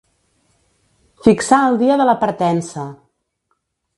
Fixar el dia de la partença.